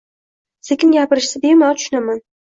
Sekin gapirishsa bemalol tushunaman.